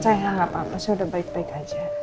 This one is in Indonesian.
saya nggak apa apa saya udah baik baik aja